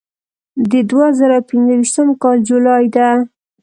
د دوه زره پنځه ویشتم کال جولای ده.